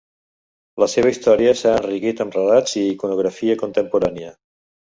La seva història s'ha enriquit amb relats i iconografia contemporània.